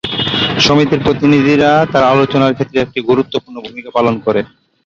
সমিতির প্রতিনিধিরা তার আলোচনার ক্ষেত্রে একটি গুরুত্বপূর্ণ ভূমিকা পালন করে।